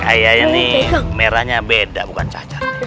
kayaknya nih merahnya beda bukan cacar